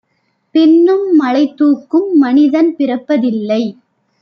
பின்னும் மலைதூக்கும் மனிதன் பிறப்பதில்லை.